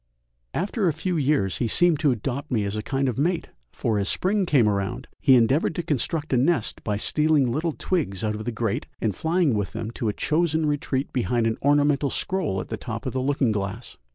After a few years he seemed to adopt me as a kind of mate! for as spring came round he endeavoured to construct a nest by stealing little twigs out of the grate and flying with them to a chosen retreat behind an ornamental scroll at the top of the looking glass.